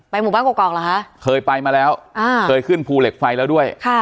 หมู่บ้านกรอกเหรอคะเคยไปมาแล้วอ่าเคยขึ้นภูเหล็กไฟแล้วด้วยค่ะ